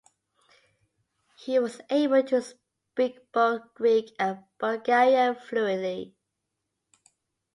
He was able to speak both Greek and Bulgarian fluently.